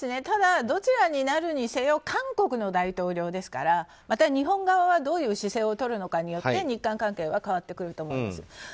ただ、どちらになるにせよ韓国の大統領ですからまた日本側はどういう姿勢をとるのかによって日韓関係は変わってくると思います。